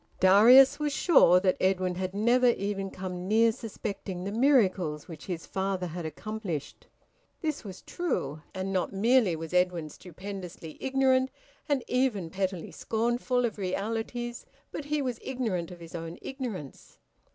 Darius was sure that Edwin had never even come near suspecting the miracles which his father had accomplished: this was true, and not merely was Edwin stupendously ignorant, and even pettily scornful, of realities, but he was ignorant of his own ignorance.